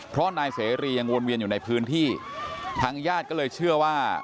เพราะนายเสรียังวนเวียนอยู่ในพื้นที่ทางญาติก็เลยเชื่อว่า